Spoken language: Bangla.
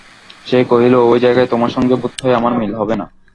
সে কহিল, ঐ জায়গায় তোমার সঙ্গে বোধ হয় আমার মিল হবে না।